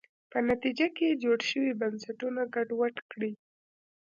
په نتیجه کې جوړ شوي بنسټونه ګډوډ کړي.